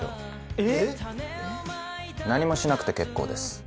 えっ⁉何もしなくて結構です。